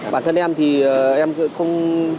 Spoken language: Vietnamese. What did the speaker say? bản thân em thì em không